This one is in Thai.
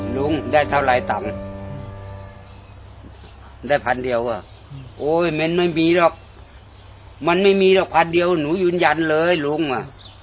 ลุงได้เท่าไรต่ำได้พันเดียวอ่ะโอ้ยมันไม่มีหรอกมันไม่มีหรอกพันเดียวหนูยืนยันเลยลุงอ่ะ